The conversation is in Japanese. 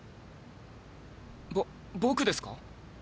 ぼ僕ですか？